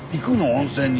温泉に。